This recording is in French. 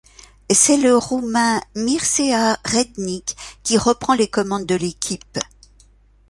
C'est le Roumain Mircea Rednic qui reprend les commandes de l'équipe.